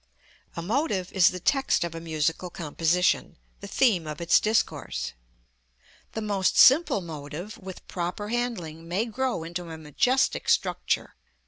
A motive is the text of a musical composition, the theme of its discourse. The most simple motive, with proper handling, may grow into a majestic structure.